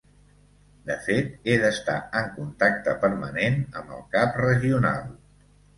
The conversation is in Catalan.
De fet he d'estar en contacte permanent amb el cap regional.